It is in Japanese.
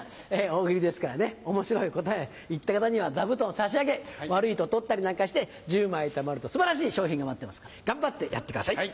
大喜利ですからね面白い答え言った方には座布団を差し上げ悪いと取ったりなんかして１０枚たまると素晴らしい賞品が待ってますから頑張ってやってください。